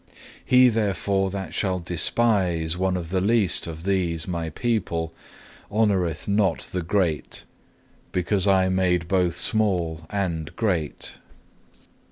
He therefore that shall despise one of the least of these My people, honoureth not the great; because I made both small and great.